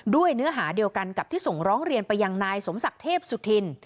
เนื้อหาเดียวกันกับที่ส่งร้องเรียนไปยังนายสมศักดิ์เทพสุธิน